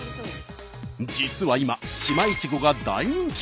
実は今島イチゴが大人気。